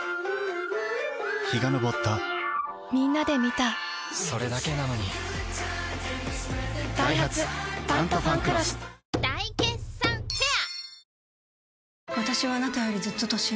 陽が昇ったみんなで観たそれだけなのにダイハツ「タントファンクロス」大決算フェア